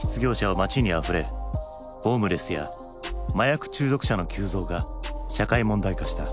失業者は街にあふれホームレスや麻薬中毒者の急増が社会問題化した。